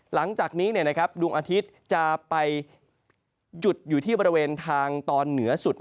หลังจากนี้ดวงอาทิตย์จะไปหยุดอยู่ที่บริเวณทางตอนเหนือสุด